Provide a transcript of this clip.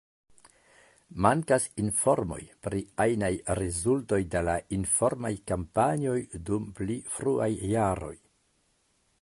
Mankas informoj pri ajnaj rezultoj de la informaj kampanjoj dum pli fruaj jaroj.